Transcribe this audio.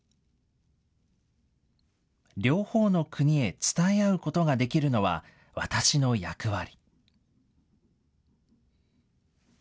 両方の国へ伝え合うことができるのは私の役割。